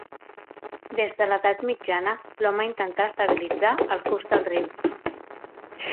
Des de l'edat mitjana l'home intentà estabilitzar el curs del riu.